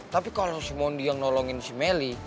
tapi kalau si mondi yang nolongin si meli